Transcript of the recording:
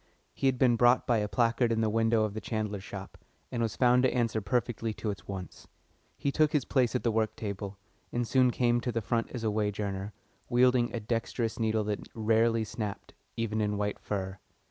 He had been brought by a placard in the window of the chandler's shop, and was found to answer perfectly to its wants. He took his place at the work table, and soon came to the front as a wage earner, wielding a dexterous needle that rarely snapped, even in white fur.